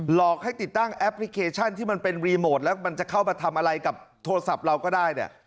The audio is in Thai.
หลอกให้ติดตั้งแอปพลิเคชันที่มันเป็นรีโมทแล้วมันจะเข้ามาทำอะไรกับโทรศัพท์เราก็ได้เนี่ย